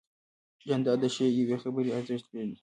جانداد د ښې یوې خبرې ارزښت پېژني.